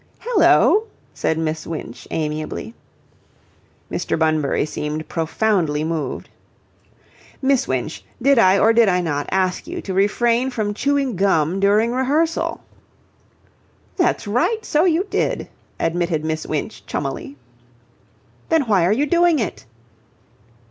"Hello?" said Miss Winch, amiably. Mr. Bunbury seemed profoundly moved. "Miss Winch, did I or did I not ask you to refrain from chewing gum during rehearsal?" "That's right, so you did," admitted Miss Winch, chummily. "Then why are you doing it?"